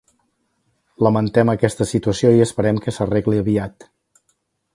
Lamentem aquesta situació i esperem que s'arregli aviat.